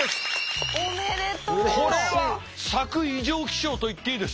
これは咲く異常気象といっていいです。